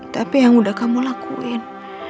tapi yang udah kamu lakuin